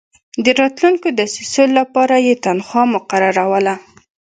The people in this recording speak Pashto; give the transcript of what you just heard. د راتلونکو دسیسو لپاره یې تنخوا مقرروله.